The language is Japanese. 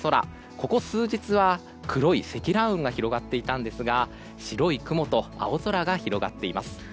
ここ数日は黒い積乱雲が広がっていたんですが白い雲と青空が広がっています。